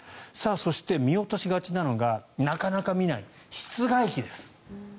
そして、見落としがちなのがなかなか見ない室外機です。